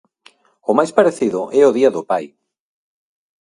O máis parecido é o día do Pai.